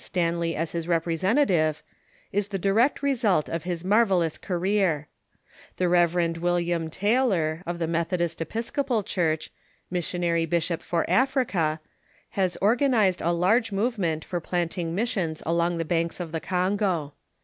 Stanley as his re])resentative, is the di rect result of his marvellous career. The Rev. Will ^pie^state ^'^"^ Taylor, of the Methodist Episcopal Church, Mis sionary Bishop for Africa, has organized a large move ment for planting missions along the banks of the Congo.